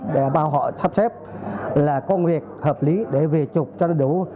để bà họ sắp xếp là công việc hợp lý để về chụp cho đủ